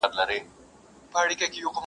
• که پتنګ پر ما کباب سو زه هم وسوم ایره سومه,